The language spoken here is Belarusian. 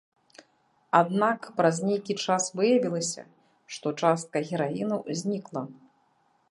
Аднак праз нейкі час выявілася, што частка гераіну знікла.